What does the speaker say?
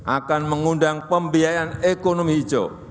akan mengundang pembiayaan ekonomi hijau